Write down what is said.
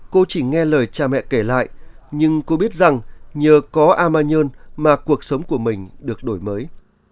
cô chỉ nghe lời cha mẹ kể lại nhưng cô biết rằng nhờ có ama nhơn mà cuộc sống của mình được đổi mới